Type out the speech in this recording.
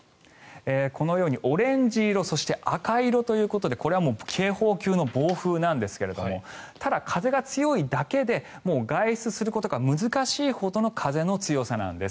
このようにオレンジ色そして赤色ということでこれはもう警報級の暴風なんですがただ、風が強いだけで外出することが難しいほどの風の強さなんです。